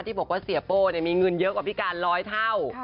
ที่บอกว่าเสียโป้มีเงินเยอะกว่าพี่การร้อยเท่า